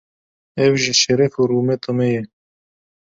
ev jî şeref û rûmeta me ye.